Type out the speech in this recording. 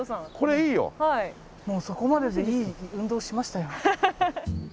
もうそこまででいい運動しましたよ。